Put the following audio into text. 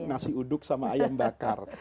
nasi uduk sama ayam bakar